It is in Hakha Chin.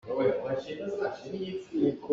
Saya kan si.